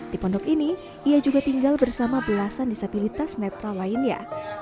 di pondok ini ia juga tinggal bersama belasan disabilitas netra lainnya